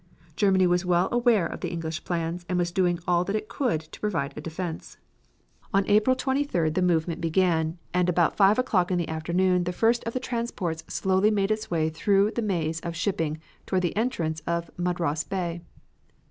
Germany was well aware of the English plans, and was doing all that it could to provide a defense. On April 23d the movement began, and about five o'clock in the afternoon the first of the transports slowly made its way through the maze of shipping toward the entrance of Mudros Bay.